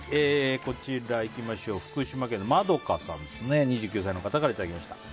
福島県の２９歳の方からいただきました。